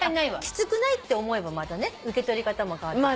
きつくないって思えばまたね受け取り方も変わってきたりする。